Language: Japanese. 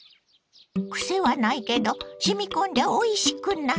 クセはないけどしみこんでおいしくなる。